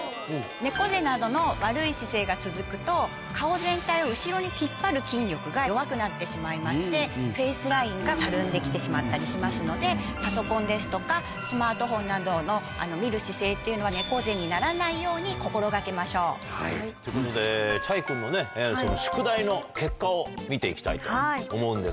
猫背などの悪い姿勢が続くと顔全体を後ろに引っ張る筋力が弱くなってしまいましてフェースラインがたるんで来てしまったりしますのでパソコンですとかスマートフォンなどの見る姿勢っていうのは猫背にならないように心掛けましょう。ということでｃｈａｙ君のね宿題の結果を見て行きたいと思うんですが。